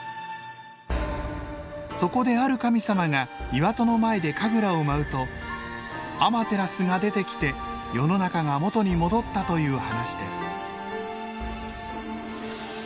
そこである神様が岩戸の前で神楽を舞うとアマテラスが出てきて世の中が元に戻ったという話です。